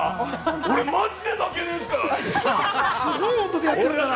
俺、マジ負けねえですからね！